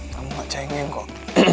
kamu gak cengeng kok